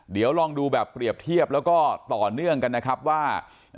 เดี๋ยวลองดูเรียบเทียบและต่อเนื่องกันว่า